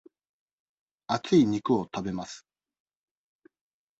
厚い肉を食べます。